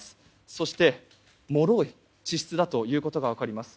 そしてもろい地質だということが分かります。